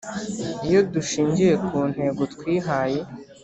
iyo dushingiye kuntego twihaye